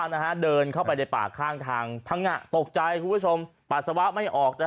นะฮะเดินเข้าไปในป่าข้างทางทางอ่ะตกใจครับคุณผู้ชมปรัสสาวะไม่ออกแล้ว